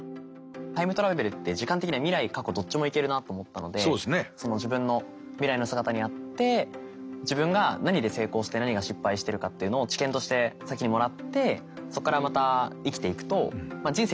タイムトラベルって時間的には未来過去どっちも行けるなと思ったので自分の未来の姿に会って自分が何で成功して何が失敗してるかっていうのを知見として先にもらってそこからまた生きていくと人生